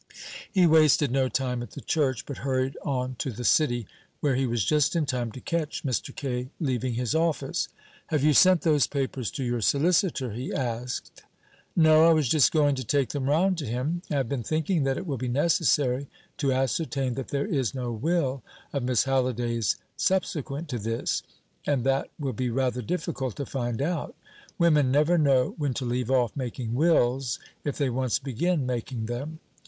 He wasted no time at the church, but hurried on to the City, where he was just in time to catch Mr. Kaye leaving his office. "Have you sent those papers to your solicitor?" he asked. "No; I was just going to take them round to him. I have been thinking that it will be necessary to ascertain that there is no will of Miss Halliday's subsequent to this; and that will be rather difficult to find out. Women never know when to leave off making wills, if they once begin making them.